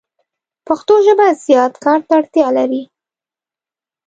پښتو ژبه زیات کار ته اړتیا لری